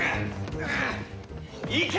行け！